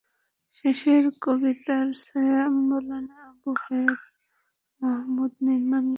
শেষের কবিতার ছায়া অবলম্বনে আবু হায়াত মাহমুদ নির্মাণ করেছেন ছায়াবৃত্তে শেষের কবিতা।